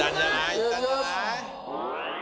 いったんじゃない？